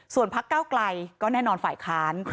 ส่วนพักเก้าไกลก็แน่นอนฝ่ายค้าน